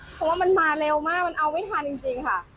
เพราะว่ามันมาเร็วมากมันเอาไม่ทันจริงค่ะ